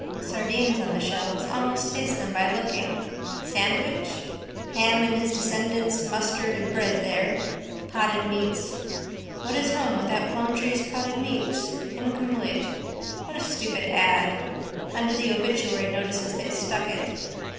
Sardines on the shelves. Almost taste them by looking. Sandwich? Ham and his descendants musterred and bred there. Potted meats. What is home without Plumtree's potted meat? Incomplete. What a stupid ad! Under the obituary notices they stuck it.